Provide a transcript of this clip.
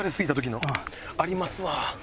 ありますわ。